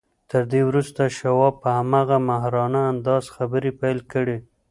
تر دې وروسته شواب په هماغه ماهرانه انداز خبرې پيل کړې.